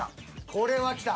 これはきた。